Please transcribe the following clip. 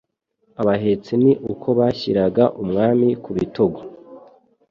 Abahetsi ni uko bashyiraga Umwami ku bitugu